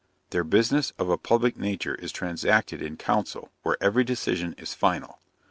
Their business of a public nature is transacted in council, where every decision is final.